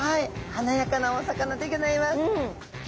華やかなお魚でギョざいます。